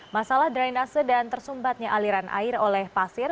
masalah dry nasa dan tersumbatnya aliran air oleh pasir